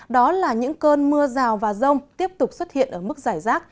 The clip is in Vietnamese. đó là những cơn mưa rào và rông tiếp tục xuất hiện ở mức giải rác